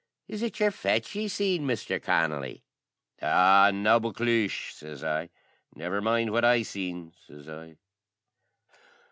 Is it your fetch ye seen, Mister Connolly?" "Aw, naboclish!" sez I. "Never mind what I seen," sez I.